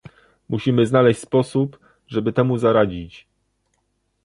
Musimy znaleźć sposób, żeby temu zaradzić